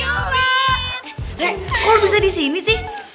eh re kok lu bisa di sini sih